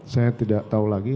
saya tidak tahu lagi